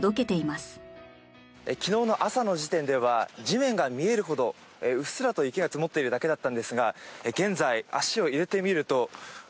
昨日の朝の時点では地面が見えるほどうっすらと雪が積もっているだけだったんですが現在足を入れてみると。